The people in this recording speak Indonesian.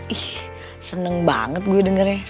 ih senang banget gue dengernya